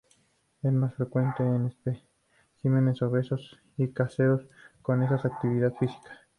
Es más frecuente en especímenes obesos y caseros con escasa actividad física.